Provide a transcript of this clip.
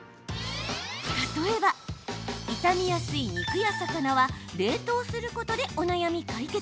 例えば傷みやすい肉や魚は冷凍することでお悩み解決。